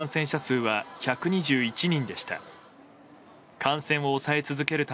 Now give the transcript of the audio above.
また、全国の感染者数は１２１人でした。